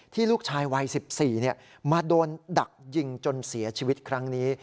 ที่ลูกชายวัยสิบสี่เนี่ยมาโดนดักยิงจนเสียชีวิตครั้งนี้